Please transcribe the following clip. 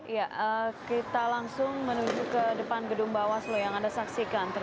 ya kita langsung menuju ke depan gedung bawaslu yang anda saksikan